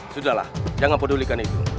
sudahlah jangan pedulikan itu